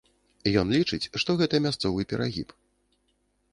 Ён лічыць, што гэта мясцовы перагіб.